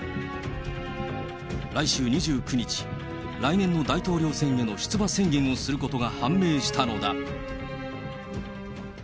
来週２９日、来年の大統領選への出馬宣言をすることが判明したのだ。